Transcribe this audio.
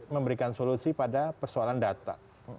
memberikan solusi pada persoalan data